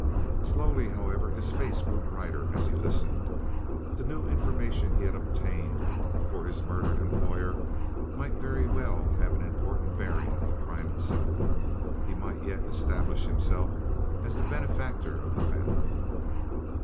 Slowly, however, his face grew brighter as he listened; the new information he had obtained for his murdered employer might very well have an important bearing on the crime itself. He might yet establish himself as the benefactor of the family.